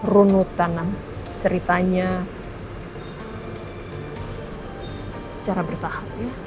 runut tangan ceritanya secara bertahap